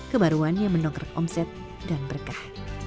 kebaruan yang mendongkrak omset dan berkah